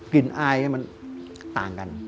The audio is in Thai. กลิ่นอายนี่มันต่างกัน